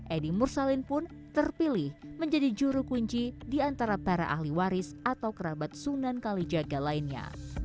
edi mursalin pun terpilih menjadi juru kunci di antara para ahli waris atau kerabat sunan kalijaga lainnya